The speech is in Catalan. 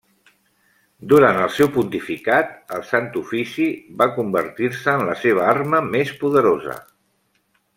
Durant el seu pontificat el Sant Ofici va convertir-se en la seva arma més poderosa.